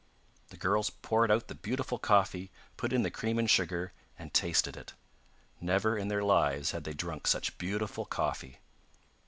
The girls poured out the beautiful coffee, put in the cream and sugar, and tasted it; never in their lives had they drunk such beautiful coffee.